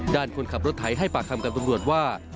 คนขับรถไถให้ปากคำกับตำรวจว่า